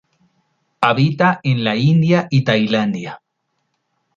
Habita en la India y Tailandia.